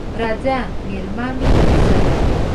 راځه مېلمه مې سه!